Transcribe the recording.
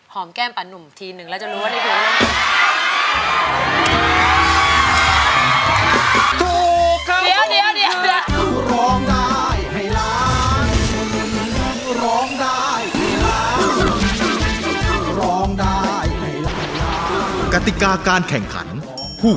หอมแก้มป่านหนุ่มทีหนึ่งแล้วจะรู้ว่าได้รู้